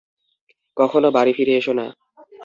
কখনো বাড়ি ফিরে এসো না।